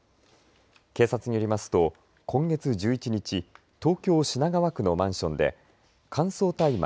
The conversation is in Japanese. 警察によりますと今月１１日東京・品川区のマンションで乾燥大麻